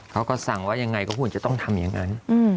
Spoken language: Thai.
เขาก็สั่งว่ายังไงก็ควรจะต้องทำอย่างนั้น